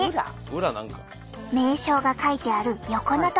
名称が書いてある横の所。